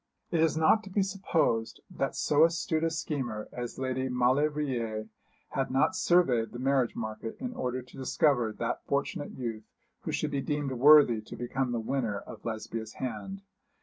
It is not to be supposed that so astute a schemer as Lady Maulevrier had not surveyed the marriage market in order to discover that fortunate youth who should be deemed worthy to become the winner of Lesbia's hand.